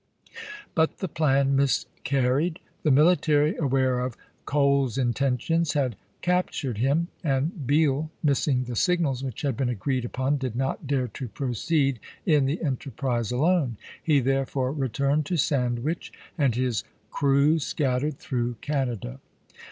But the plan miscarried. The military, aware of Cole's intentions, had captured him ; and Beall, missing the signals which had been agreed upon, did not dare to proceed in the enterprise alone. He therefore returned to Sandwich, and his crew scattered through Canada.